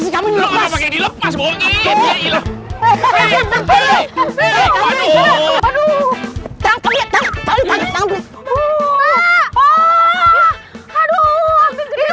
kambing kiki bangun kiki ada kambing kiki